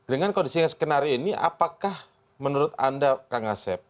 dengan kondisi yang skenario ini apakah menurut anda kang asep